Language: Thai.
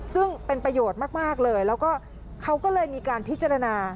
ซึ่งเป็นประโยชน์มากเลยแล้วก็เขาก็เลยมีการพิจารณา